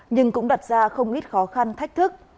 nhưng cũng đặt ra không ít khó khăn thách thức